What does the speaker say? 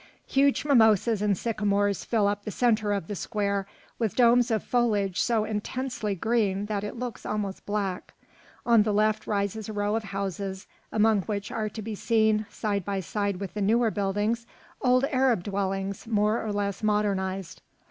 Huge mimosas and sycamores fill up the centre of the square with domes of foliage so intensely green that it looks almost black. On the left rises a row of houses, among which are to be seen, side by side with the newer buildings, old Arab dwellings more or less modernised.